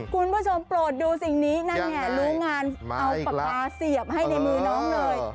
คุณผู้ชมโปรดดูสิ่งนี้นั่นไงรู้งานเอาปากกาเสียบให้ในมือน้องเลย